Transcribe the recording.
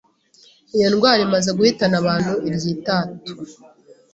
Iyo ndwara imaze guhitana abantu iryitatu